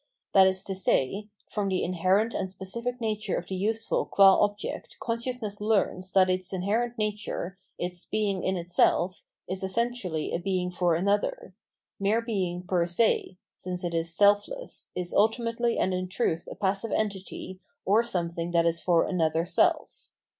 That is to say, from the inherent and specific nature of the useful qua object consciousness learns that its inherent nature, its being in itself, is essentially a being for another ; mere being per se, since it is self less, is ultimately and in truth a passive entity, or something that is for another self.